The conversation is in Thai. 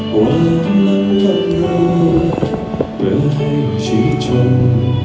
หวานลำลำหนอยเพื่อให้ชิชม